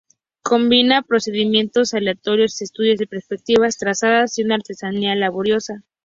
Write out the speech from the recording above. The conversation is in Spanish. Combina procedimientos aleatorios, estudios de perspectivas trazadas y una artesanía laboriosa.